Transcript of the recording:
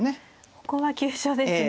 ここは急所ですね。